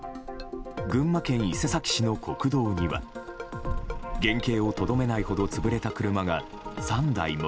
群馬県伊勢崎市の国道には原形をとどめないほど潰れた車が３台も。